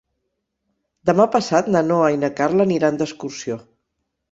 Demà passat na Noa i na Carla aniran d'excursió.